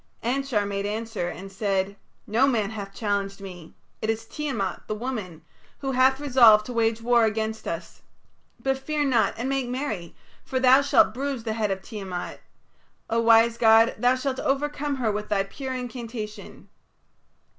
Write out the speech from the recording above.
Anshar made answer and said: "No man hath challenged me. It is Tiamat, the woman, who hath resolved to wage war against us. But fear not and make merry, for thou shalt bruise the head of Tiamat. O wise god, thou shalt overcome her with thy pure incantation.